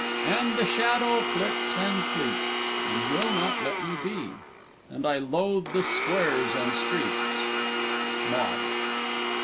"And the shadow flits and fleets, And will not let me be, And I loathe the squares and streets!" _Maud.